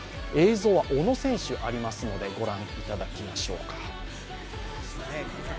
映像は小野選手がありますのでご覧いただきますでしょうか。